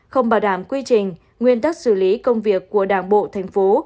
không bảo đảm quy trình nguyên tắc xử lý công việc của đảng bộ thành phố